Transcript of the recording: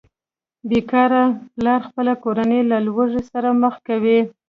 بې کاره پلار خپله کورنۍ له لوږې سره مخ کوي